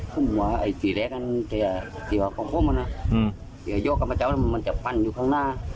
มันว่าไอ้สี่แรกอันจะจะมันอ่ะจะยอกกันมาเจ้าแล้วมันจะฟันอยู่ข้างหน้า